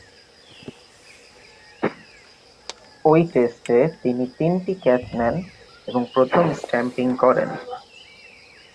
ঐ টেস্টে তিনি তিনটি ক্যাচ নেন ও প্রথম স্ট্যাম্পিং করেন।